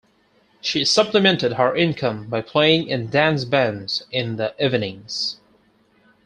She supplemented her income by playing in dance bands in the evenings.